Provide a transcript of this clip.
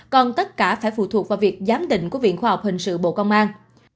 còn tất cả phải phụ thuộc vào việc giám định của viện khoa học hình sự bộ công an